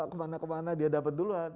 kemana kemana dia dapat duluan